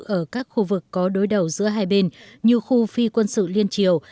ở các khu vực có đối đầu giữa hai bên như khu phi quân sự liên triều